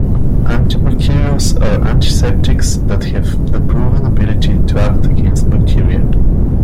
Antibacterials are antiseptics that have the proven ability to act against bacteria.